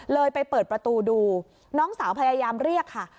ไปเปิดประตูดูน้องสาวพยายามเรียกค่ะ